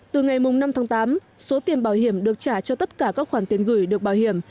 từ ngày năm tháng tám số tiền bảo hiểm được trả cho tất cả các khoản tiền gửi được bảo hiểm